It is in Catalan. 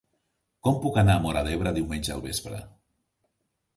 Com puc anar a Móra d'Ebre diumenge al vespre?